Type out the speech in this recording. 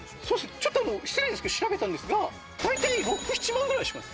ちょっと失礼ですけど調べたんですが。ぐらいはします。